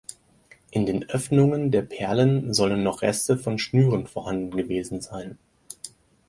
In den Öffnungen der Perlen sollen noch Reste von Schnüren vorhanden gewesen sein.